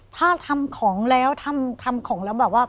ถ้าทำของแล้วทำของแล้วแบบว่า